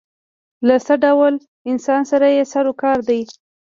له څه ډول انسان سره یې سر و کار دی.